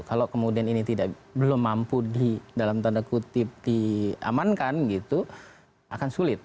kalau kemudian ini belum mampu di dalam tanda kutip diamankan gitu akan sulit